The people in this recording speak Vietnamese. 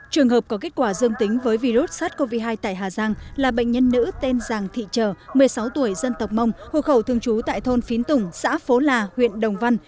trường hợp có kết quả dương tính với virus sars cov hai tại hà giang là bệnh nhân nữ tên giàng thị trở một mươi sáu tuổi dân tộc mông hồ khẩu thường trú tại thôn phín tùng xã phố là huyện đồng văn